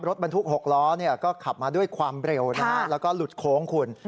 รถบรรทุก๖ล้อก็ขับมาด้วยความเร็วนะฮะแล้วก็หลุดโค้งคุณ